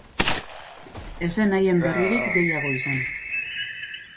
Ez zen haien berririk gehiago izan.